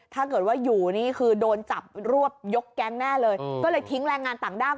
ถ้าเกิดว่าอยู่นี่คือโดนจับรวบยกแก๊งแน่เลยก็เลยทิ้งแรงงานต่างด้าว